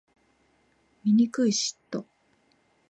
醜い嫉妬